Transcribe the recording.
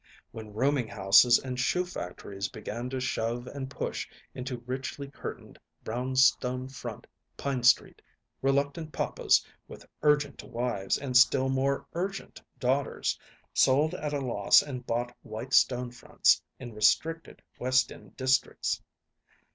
When rooming houses and shoe factories began to shove and push into richly curtained brown stone front Pine Street, reluctant papas, with urgent wives and still more urgent daughters, sold at a loss and bought white stone fronts in restricted West End districts.